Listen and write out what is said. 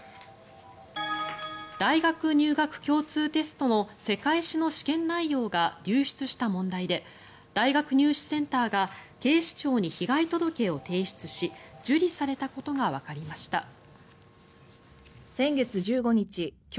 大学入学共通テストの世界史の試験内容が流出した問題で大学入試センターが警視庁に被害届を提出し受理されたことがわかりました。